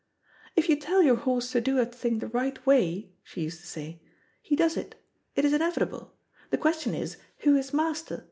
"If you tell your horse to do a thing the right way," she used to say, "he does it. It is inevitable. The question is, 'Who is master?'